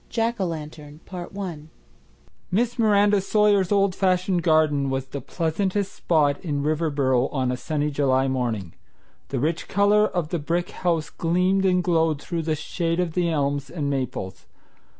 JACK O'LANTERN I Miss Miranda Sawyer's old fashioned garden was the pleasantest spot in Riverboro on a sunny July morning. The rich color of the brick house gleamed and glowed through the shade of the elms and maples.